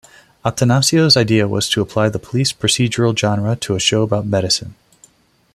Attanasio's idea was to apply the police procedural genre to a show about medicine.